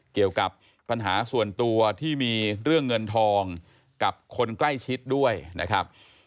เกี่ยวกับปัญหาส่วนตัวที่มีเรื่องเงินทองกับคนใกล้ชิดด้วยนะครับ